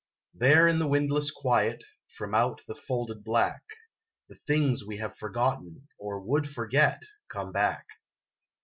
There in the windless quiet, from out the folded black, The things we have forgotten or would forget come back.